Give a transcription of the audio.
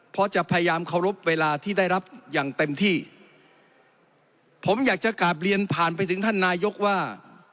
เพราะจะพยายามเคารพเวลาที่ได้รับอย่างเต็มที่ผมอยากจะกลับเรียนผ่านไปถึงท่านนายกว่า